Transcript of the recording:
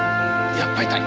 やっぱり痛い。